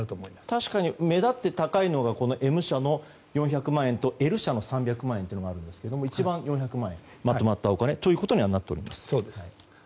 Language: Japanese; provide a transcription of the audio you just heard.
確かに目立って高いのがＭ社の４００万円とＬ社の３００万円というのがあるんですが４００万円が一番まとまったお金ということになってます。